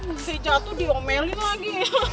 udah jatuh diomeli lagi